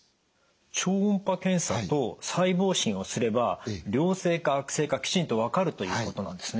超音波検査と細胞診をすれば良性か悪性かきちんと分かるということなんですね？